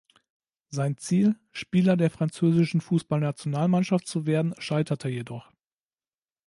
Sein Ziel, Spieler der französischen Fußballnationalmannschaft zu werden, scheiterte jedoch.